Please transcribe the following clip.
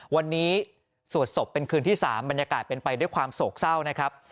วันนี้สวดศพเป็นคืนที่๓บรรยากาศเป็นไปด้วยความโศกเศร้านะครับ